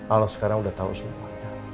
al sekarang sudah tahu semua